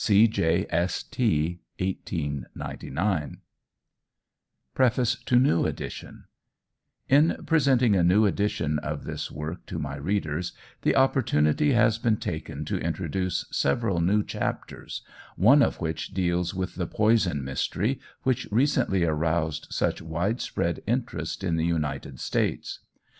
C. J. S. T. 1899 PREFACE TO NEW EDITION IN presenting a new edition of this work to my readers, the opportunity has been taken to introduce several new chapters, one of which deals with the "poison mystery" which recently aroused such widespread interest in the United States.